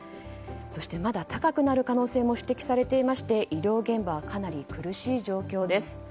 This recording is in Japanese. そしてまだ高くなる可能性も指摘されていて医療現場はかなり苦しい状況です。